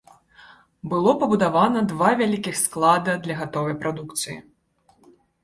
Было пабудавана два вялікіх склада для гатовай прадукцыі.